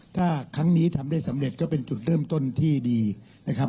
ถ้าครั้งนี้ทำได้สำเร็จก็เป็นจุดเริ่มต้นที่ดีนะครับ